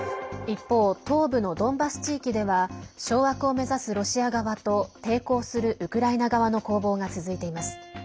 一方、東部のドンバス地域では掌握を目指すロシア側と抵抗するウクライナ側の攻防が続いています。